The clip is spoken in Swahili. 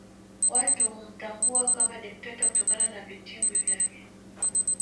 Watu humtambua kama dikteta kutokana na vitibwi vyake